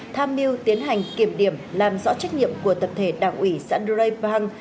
tham mưu tiến hành kiểm điểm làm rõ trách nhiệm của tập thể đảng ủy sandra bram